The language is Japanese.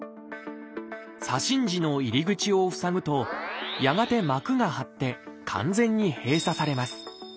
左心耳の入り口を塞ぐとやがて膜が張って完全に閉鎖されます。